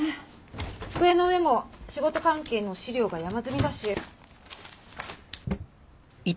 机の上も仕事関係の資料が山積みだし。